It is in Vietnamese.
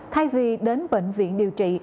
thay vì đến bệnh viện điều trị